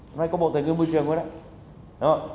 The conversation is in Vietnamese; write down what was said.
hôm nay có bộ thành viên môi trường với đấy đúng không